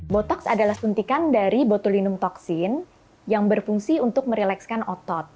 botox adalah suntikan dari botulinum toksin yang berfungsi untuk merelekskan otot